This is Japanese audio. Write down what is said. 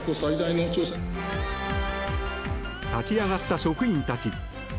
立ち上がった職員たち。